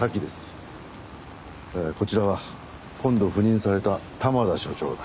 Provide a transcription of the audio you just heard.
こちらは今度赴任された玉田署長だ。